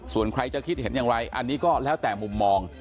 ส่วนใครจะคิดเห็นอย่างไรอันนี้ก็แล้วแต่มุมมอง